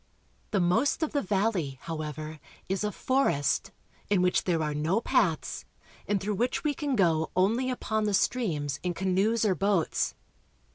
The most of the valley, however, is a forest, in which there are no paths, and through which we can go only upon the streams in canoes or boats.